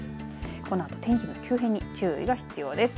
このあと天気の急変に注意が必要です。